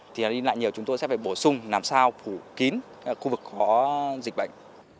thì đi lại nhiều chúng tôi sẽ phải bổ sung làm sao phủ kín khu vực có dịch bệnh